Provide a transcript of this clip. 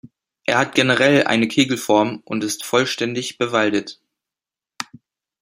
Er hat generell eine Kegelform und ist vollständig bewaldet.